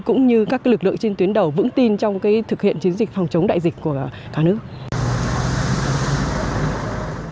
cũng như các lực lượng trên tuyến đầu vững tin trong thực hiện chiến dịch phòng chống đại dịch của cả nước